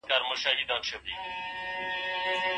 خلګ باید تل په حقه فيصلي وکړي.